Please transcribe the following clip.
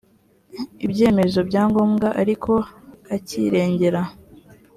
ibyemezo bya ngombwa ariko akirengera